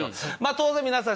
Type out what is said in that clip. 当然皆さん